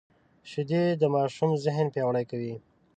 شیدې د ماشوم ذهن پیاوړی کوي